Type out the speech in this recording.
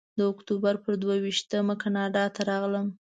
د اکتوبر پر دوه ویشتمه کاناډا ته راغلم.